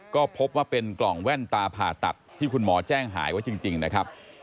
ก็พบว่าเป็นกล่องแว่นตาผ่าตัดที่คุณหมอแจ้งหายไว้จริงนะครับ